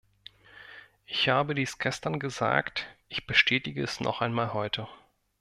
Ich habe dies gestern gesagt, ich bestätige es noch einmal heute.